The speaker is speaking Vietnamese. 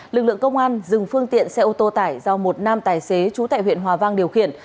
lực lượng công an dừng phương tiện xe ô tô tải do một nam tài xế chú tại huyện hòa vang điều khiển